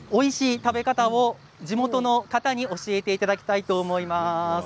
食べ方を地元の方に教えていただきたいと思います。